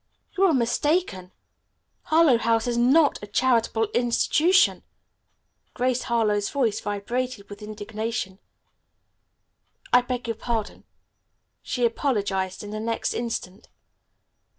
"You are mistaken. Harlowe House is not a charitable institution!" Grace Harlowe's voice vibrated with indignation. "I beg your pardon," she apologized in the next instant.